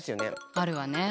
あるわね。